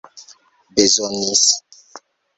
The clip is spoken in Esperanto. bezonis